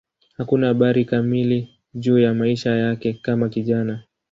Hakuna habari kamili juu ya maisha yake kama kijana.